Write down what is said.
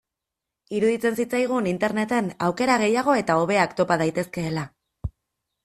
Iruditzen zitzaigun Interneten aukera gehiago eta hobeak topa daitezkeela.